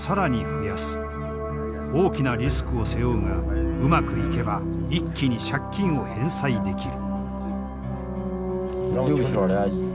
大きなリスクを背負うがうまくいけば一気に借金を返済できる。